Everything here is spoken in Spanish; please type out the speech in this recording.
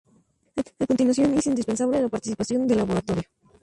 A continuación es indispensable la participación del laboratorio.